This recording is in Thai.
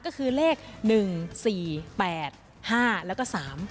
ก็คือเลข๑๔๘๕แล้วก็๓๘